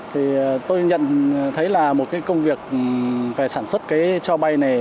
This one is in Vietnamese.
thì tôi nhận thấy là một cái công việc về sản xuất cái cho bay này